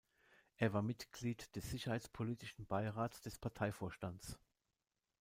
Er war Mitglied des Sicherheitspolitischen Beirats des Parteivorstands.